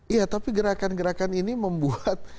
iya tapi gerakan gerakan ini membuat